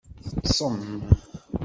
Teṭṭsem?